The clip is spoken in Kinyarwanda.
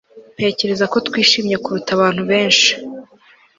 ntekereza ko twishimye kuruta abantu benshi